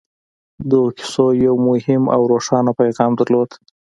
دغو کيسو يو مهم او روښانه پيغام درلود.